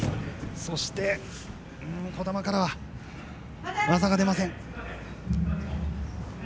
そして児玉からは技が出ません。